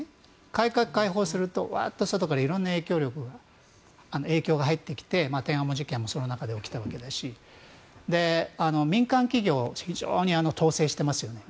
改革開放すると、ワッと外から色んな影響が入ってきて天安門事件もその中で起きたわけですし民間企業非常に統制していますよね。